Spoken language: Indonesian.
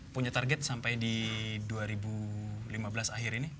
punya target sampai di dua ribu lima belas akhir ini